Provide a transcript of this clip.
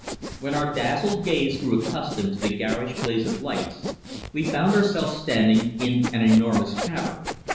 WHEN our dazzled gaze grew accustomed to the garish blaze of lights we found ourselves standing in an enormous cavern.